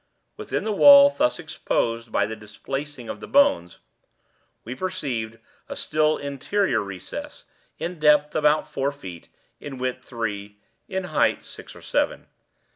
Within the wall thus exposed by the displacing of the bones, we perceived a still interior recess, in depth about four feet, in width three, in height six or seven.